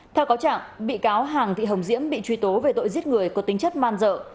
theo cáo trạng bị cáo hàng thị hồng diễm bị truy tố về tội giết người có tính chất man dợ